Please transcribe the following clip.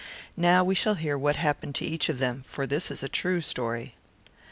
Now we shall hear what happened to them, for this is a true story.